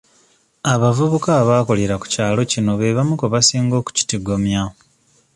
Abavubuka abaakulira ku kyalo kino be bamu ku basinga okukitigomya.